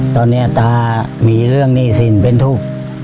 ตอนนี้ตามีเรื่องหนี้สินเป็นทุกข์